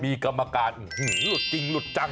ที่กรรมาการอื้อหรือลุดจริงลุดจัง